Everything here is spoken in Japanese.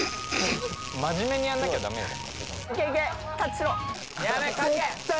真面目にやんなきゃ駄目よ。